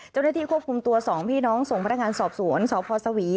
เจ้าหน้าที่ควบคุมตัว๒พี่น้องส่งพนักงานสอบสวนสพสวี